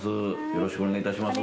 よろしくお願いします。